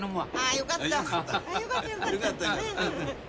よかったよ。